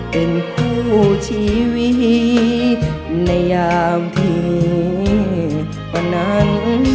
เป็นคู่ชีวิตในยามที่วันนั้น